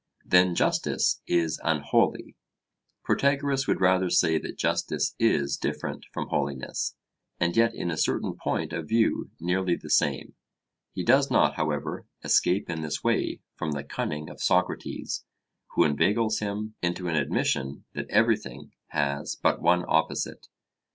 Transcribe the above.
'Then justice is unholy.' Protagoras would rather say that justice is different from holiness, and yet in a certain point of view nearly the same. He does not, however, escape in this way from the cunning of Socrates, who inveigles him into an admission that everything has but one opposite.